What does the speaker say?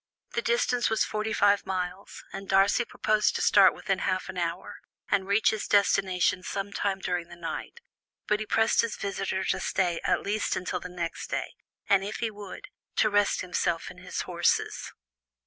The distance was forty five miles, and Darcy proposed to start within half an hour, and reach his destination some time during the night, but he pressed his visitor to stay at least until the next day, and if he would, to rest himself and his horses.